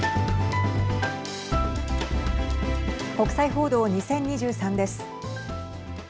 国際報道２０２３です。